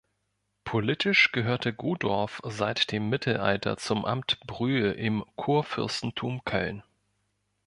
Politisch gehörte Godorf seit dem Mittelalter zum Amt Brühl im Kurfürstentum Köln.